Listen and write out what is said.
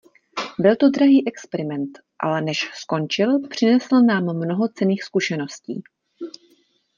Byl to drahý experiment, ale než skončil, přinesl nám mnoho cenných zkušeností.